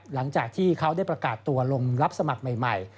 หลังจากที่เขาได้ประกาศตัวลงรับสมัครใหม่